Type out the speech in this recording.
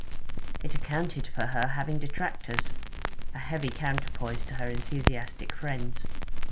It accounted for her having detractors; a heavy counterpoise to her enthusiastic friends.